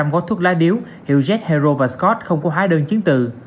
hai năm trăm linh gói thuốc lá điếu hiệu jet hero và scott không có hóa đơn chiến tự